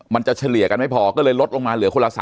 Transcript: มันจะเฉลี่ยกันไม่พอก็เลยลดลงมาเหลือคนละ๓เล่ม